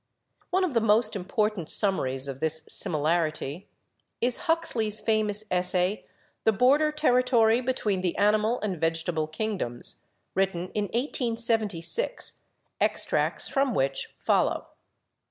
One of the most important summaries of this similar ity is Huxley's famous essay, 'The Border Territory Be tween the Animal and Vegetable Kingdoms/ written in 1876, extracts from which follow.